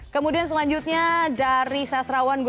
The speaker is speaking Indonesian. kemudian selanjutnya dari sasrawan gunungkul